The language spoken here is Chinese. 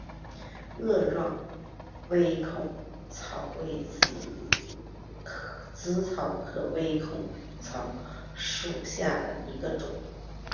萼状微孔草为紫草科微孔草属下的一个种。